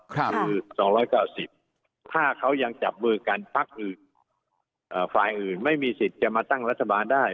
คือ๒๙๐ถ้าเขายังจับมือกันพักอื่นฝ่ายอื่นไม่มีสิทธิ์จะมาตั้งรัฐบาลได้